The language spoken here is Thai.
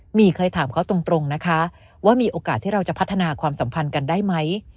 เคยถามเขาตรงนะคะว่ามีโอกาสที่เราจะพัฒนาความสัมพันธ์กันได้ไหม